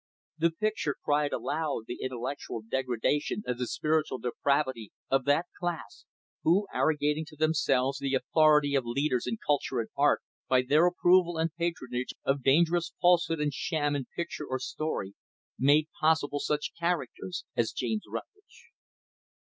The picture cried aloud the intellectual degradation and the spiritual depravity of that class who, arrogating to themselves the authority of leaders in culture and art, by their approval and patronage of dangerous falsehood and sham in picture or story, make possible such characters as James Rutlidge.